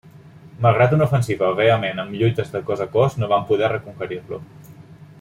Malgrat una ofensiva vehement amb lluites de cos a cos, no van poder reconquerir-lo.